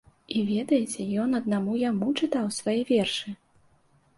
І, ведаеце, ён аднаму яму чытаў свае вершы!